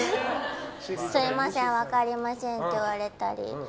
すみません、分かりませんって言われたり。